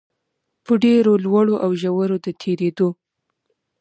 په ډېرو لوړو او ژورو د تېرېدو